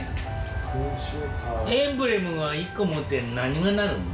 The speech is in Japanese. エンブレムは１個持って何がなるん？